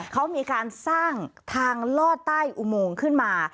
เขามีการสร้างทางลอดใต้อุโมงขึ้นมา